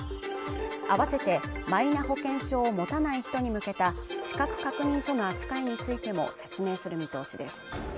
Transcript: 合わせてマイナ保険証を持たない人に向けた資格確認書の扱いについても説明する見通しです